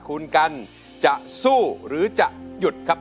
คุณกันจะสู้หรือจะหยุดครับ